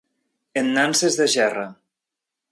En nanses de gerra.